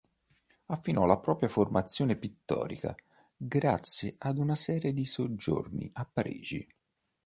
Affinò la propria formazione pittorica, grazie ad una serie di soggiorni a Parigi.